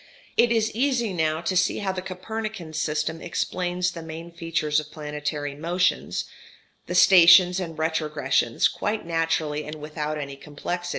It is easy now to see how the Copernican system explains the main features of planetary motion, the stations and retrogressions, quite naturally and without any complexity.